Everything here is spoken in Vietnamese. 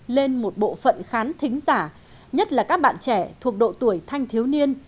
lên một bộ phận khán thính giả nhất là các bạn trẻ thuộc độ tuổi thanh thiếu niên